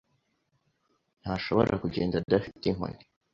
ntashobora kugenda adafite inkoni.